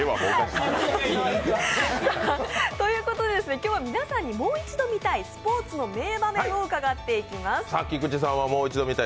今日は皆さんにもう一度見たいスポ−ツの名場面を伺っていきます。